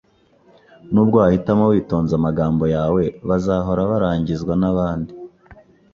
Nubwo wahitamo witonze amagambo yawe, bazahora barangizwa nabandi.